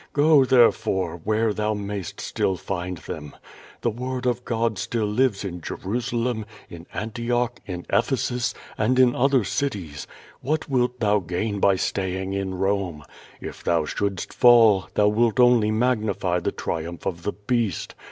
Go, tlierefore, where thou mayst still find them. The word of God still lives in Jerusalem, in Antioch^ 490 Q^O VADTS. in Ephesus, and in other cities. What wilt thou gain by stay ing in Rome? If thou shouldst fall, thou wilt only magnify the triumph of the Beast.